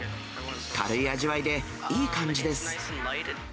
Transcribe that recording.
軽い味わいでいい感じです。